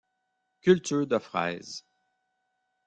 Culture de fraises.